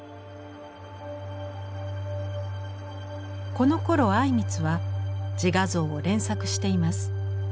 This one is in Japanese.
このころ靉光は自画像を連作しています。